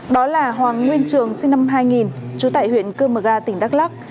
đó là hoàng nguyên trường sinh năm hai nghìn trú tại huyện cơ mơ ga tỉnh đắk lắc